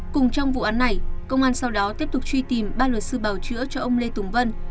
cùng trong vụ án này công an sau đó tiếp tục truy tìm ba luật sư bảo chữa cho ông lê tùng vân